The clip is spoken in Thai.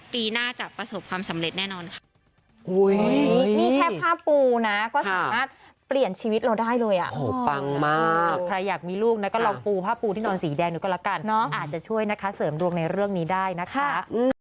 ปีหน้าจะประสบความสำเร็จแน่นอนค่ะ